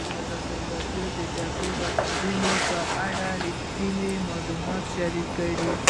ازادي راډیو د د جګړې راپورونه په اړه رښتیني معلومات شریک کړي.